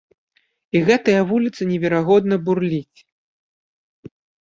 І гэтая вуліца неверагодна бурліць.